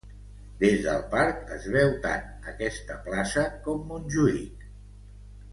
Des del parc es veu tant aquesta plaça com Montjuïc.